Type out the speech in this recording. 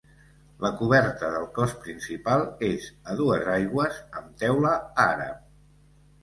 La coberta del cos principal és a dues aigües amb teula àrab.